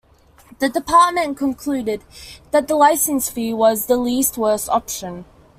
The Department concluded that the licence fee was "the least worse option".